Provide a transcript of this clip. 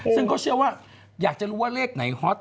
ซึ่งเขาเชื่อว่าอยากจะรู้ว่าเลขไหนฮอต